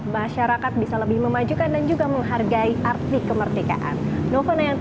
masyarakat bisa lebih memajukan dan juga menghargai arti kemerdekaan